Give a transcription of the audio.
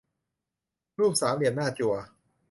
รูปสามเหลี่ยมหน้าจั่ว